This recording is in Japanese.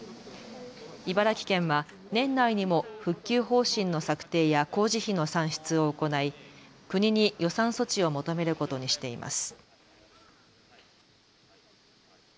茨城県は年内にも復旧方針の策定や工事費の算出を行い、国に予算措置を求めることにしています。